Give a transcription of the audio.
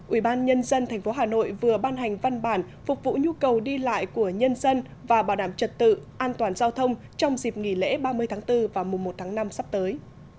ủy ban nhân dân tp hà nội vừa ban hành văn bản phục vụ nhu cầu đi lại của nhân dân và bảo đảm trật tự an toàn giao thông trong dịp nghỉ lễ ba mươi tháng bốn và mùng một tháng năm sắp tới